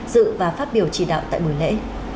điều chỉ đạo tại bùi lễ